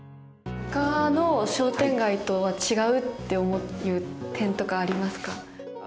他の商店街とは違うって思う点とかはありますか？